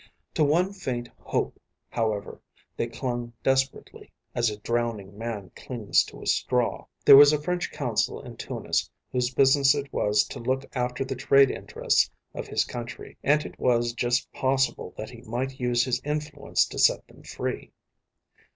To one faint hope, however, they clung desperately, as a drowning man clings to a straw. There was a French consul in Tunis whose business it was to look after the trade interests of his country, and it was just possible that he might use his influence to set them free.